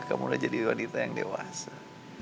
kamu udah jadi wanita yang dewasa